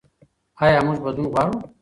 ایا موږ بدلون غواړو؟